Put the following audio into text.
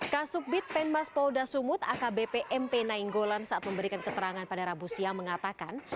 kasubbit penmas polda sumut akbp mp nainggolan saat memberikan keterangan pada rabu siang mengatakan